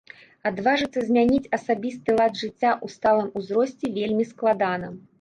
Адважыцца змяніць асабісты лад жыцця ў сталым ўзросце вельмі складана.